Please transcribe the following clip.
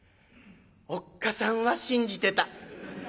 おっ母さんは信じてた。